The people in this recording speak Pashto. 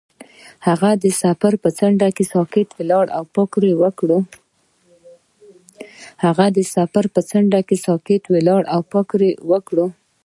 هغه د سفر پر څنډه ساکت ولاړ او فکر وکړ.